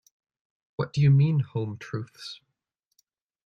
What do you mean, 'home truths'?